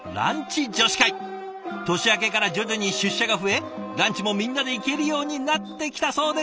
年明けから徐々に出社が増えランチもみんなで行けるようになってきたそうです。